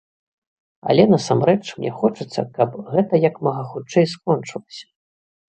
Але насамрэч мне хочацца, каб гэта як мага хутчэй скончылася.